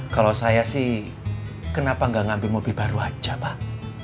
kalau saya sih kenapa nggak ngambil mobil baru aja pak